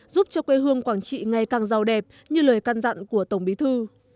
giúp cho quê hương quảng trị ngày càng giàu đẹp như lời can dặn của tổng bí thư